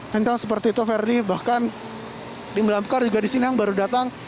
hingga seperti itu verdi bahkan di melampkar juga di sini yang baru datang